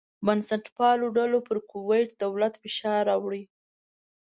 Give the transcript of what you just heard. بنسټپالو ډلو پر کویت دولت فشار راوړی.